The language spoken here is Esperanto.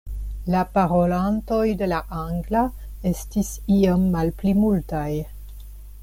La parolantoj de la angla estis iom malpli multaj.